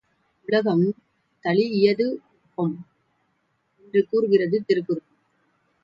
உலகம் தழீஇயது ஒட்பம்! என்று கூறுகிறது திருக்குறள்.